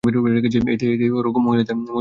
এতেই ওরকম মহিলাদের শিক্ষা হবে।